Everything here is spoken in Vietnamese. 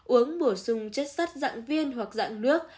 uống bổ sung chất sắt dạng viên hoặc dạng nước